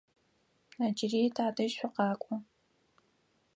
Ыджыри тадэжь шъукъакӏо.